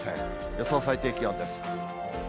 予想最低気温です。